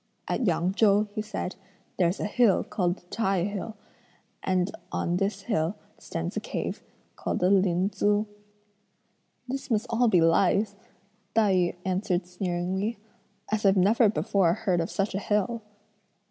"At Yang Chou," he said, "there's a hill called the Tai hill; and on this hill stands a cave called the Lin Tzu." "This must all be lies," Tai yü answered sneeringly, "as I've never before heard of such a hill."